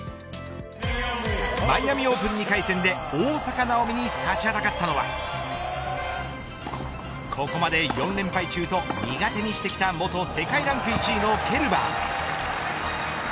マイアミオープン２回戦で大坂なおみに立ちはだかったのはここまで４連敗中と苦手にしてきた元世界ランク１位のケルバー。